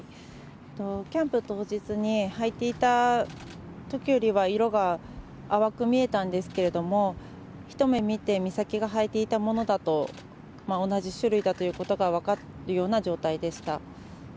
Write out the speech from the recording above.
キャンプ当日に履いていたときよりは色が淡く見えたんですけれども、一目見て、美咲が履いていたものだと、同じ種類だということが分かるような状態でした。